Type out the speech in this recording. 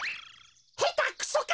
へたくそか！